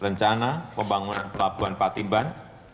rencana pembangunan pelabuhan patimban